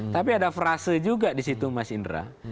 tapi ada frase juga di situ mas indra